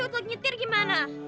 untuk nyetir gimana